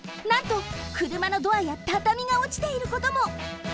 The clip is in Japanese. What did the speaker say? なんとくるまのドアやたたみがおちていることも！